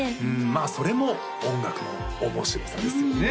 まあそれも音楽の面白さですよね